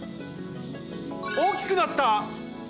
おおきくなった！